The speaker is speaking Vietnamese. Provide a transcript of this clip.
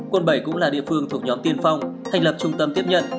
quận bảy cũng là địa phương thuộc nhóm tiên phong thành lập trung tâm tiếp nhận